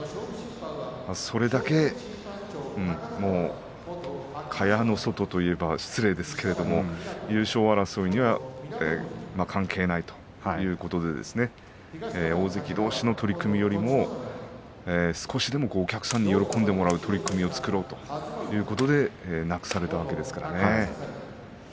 それだけ蚊帳の外と言ったら失礼ですけれど優勝争いには関係ないということでですね大関どうしの取組よりも少しでもお客さんに喜んでもらう取組を作ろうということでなくされたわけですからね。